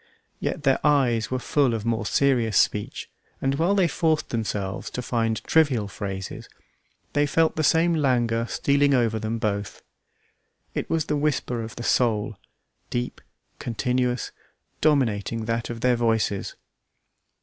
Yet their eyes were full of more serious speech, and while they forced themselves to find trivial phrases, they felt the same languor stealing over them both. It was the whisper of the soul, deep, continuous, dominating that of their voices.